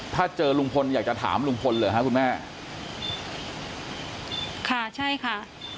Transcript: ถ้าเจอลุงพลอยากจะถามลุงพลเหรอฮะคุณแม่ค่ะใช่ค่ะ